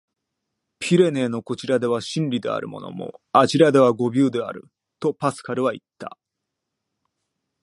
「ピレネーのこちらでは真理であるものも、あちらでは誤謬である」、とパスカルはいった。